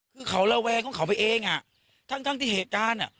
คือเขาระแวงของเขาไปเองทั้งที่เหตุการณ์